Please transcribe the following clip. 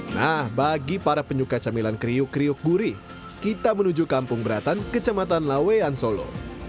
nah bagi para penyuka camilan kriuk kriuk gurih kita menuju kampung beratan kecamatan lawean solo